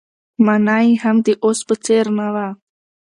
مانا يې هم د اوس په څېر نه وه.